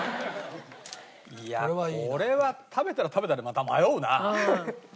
いやこれは食べたら食べたでまた迷うな。